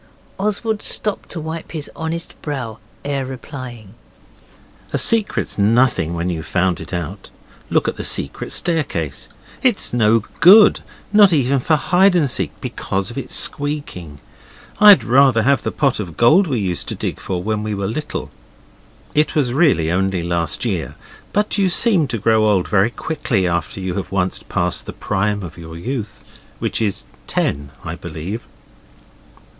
Oswald stopped to wipe his honest brow ere replying. 'A secret's nothing when you've found it out. Look at the secret staircase. It's no good, not even for hide and seek, because of its squeaking. I'd rather have the pot of gold we used to dig for when we were little.' It was really only last year, but you seem to grow old very quickly after you have once passed the prime of your youth, which is at ten, I believe.